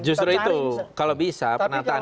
justru itu kalau bisa penataan ke depan